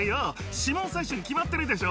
指紋採取に決まってるでしょ。